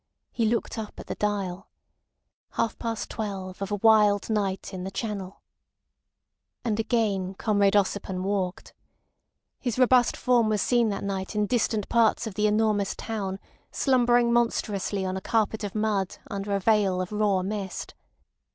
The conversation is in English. He looked up at the dial. ... Half past twelve of a wild night in the Channel. And again Comrade Ossipon walked. His robust form was seen that night in distant parts of the enormous town slumbering monstrously on a carpet of mud under a veil of raw mist.